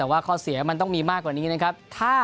แต่ว่าข้อเสียมันต้องมีมากกว่านี้นะครับ